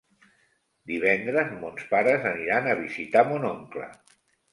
Divendres mons pares aniran a visitar mon oncle.